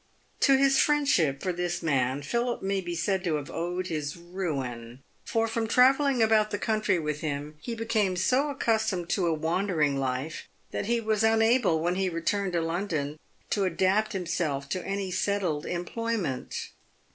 To his friendship for this man Philip may be said to have owed his ruin, for from travelling about the country with him, he became so accustomed to a wandering life, that he was unable, when he re turned to London, to adapt himself to any settled employment.